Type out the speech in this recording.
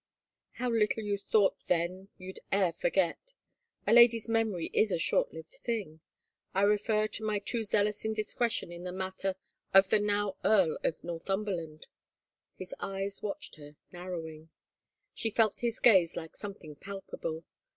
" How little you thought then you'd e'er forget !... A lady's memory is a short lived thing! I refer to my too zealous indiscretion in the matter of the now Earl of Northumberland." His eyes watched her, narrowing. She felt his gaze like something palpable.